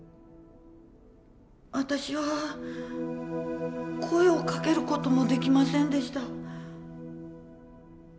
私は声をかける事もできませんでした。